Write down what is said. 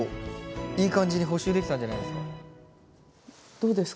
どうですか？